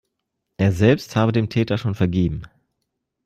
Er selbst habe dem Täter schon vergeben.